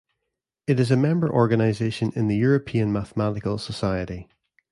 It is a member organization in the European Mathematical Society.